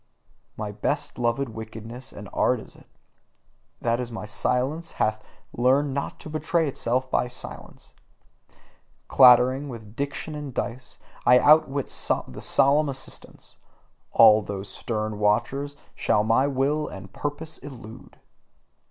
My best loved wickedness and art is it, that my silence hath learned not to betray itself by silence. Clattering with diction and dice, I outwit the solemn assistants: all those stern watchers, shall my will and purpose elude.